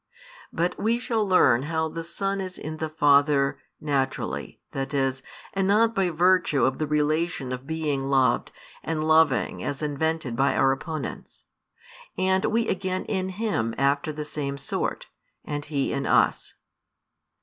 But we shall learn how the Son is in the Father, naturally, that is, and not by virtue of the relation of being loved and loving as invented by our opponents; and we again in Him after the same sort, and He in us.